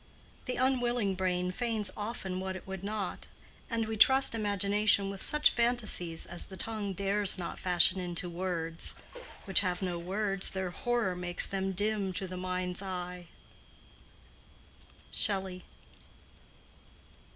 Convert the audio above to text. "The unwilling brain Feigns often what it would not; and we trust Imagination with such phantasies As the tongue dares not fashion into words; Which have no words, their horror makes them dim To the mind's eye." —SHELLEY.